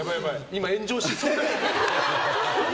今炎上しそう。